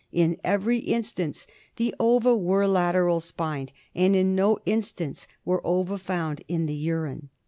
In every instance the ova were lateral spioed, and in no instance were ova found in the nrine.